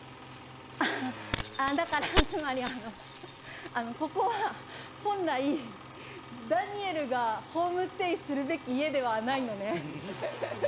ああだからつまりあのここは本来ダニエルがホームステイするべき家ではないのね。